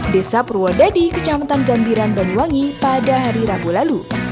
desa purwodadi kecamatan gambiran banyuwangi pada hari rabu lalu